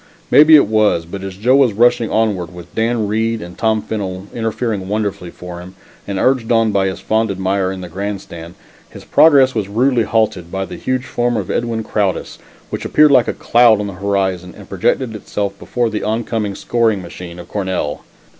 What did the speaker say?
Maybe it was, but as Joe was rushing onward, with Dan Reed and Tom Fennel interfering wonderfully for him, and urged on by his fond admirer in the grandstand, his progress was rudely halted by the huge form of Edwin Crowdis which appeared like a cloud on the horizon and projected itself before the oncoming scoring machine of Cornell.